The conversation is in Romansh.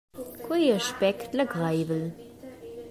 Quei ei igl aspect legreivel.